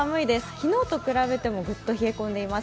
昨日と比べてもグッと冷え込んでいます。